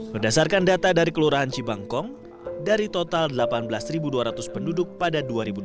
berdasarkan data dari kelurahan cibangkong dari total delapan belas dua ratus penduduk pada dua ribu dua puluh